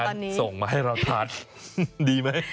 เพราะฉะนั้นส่งมาให้เราทานดีไหม